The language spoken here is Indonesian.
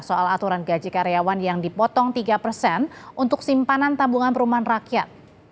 soal aturan gaji karyawan yang dipotong tiga persen untuk simpanan tabungan perumahan rakyat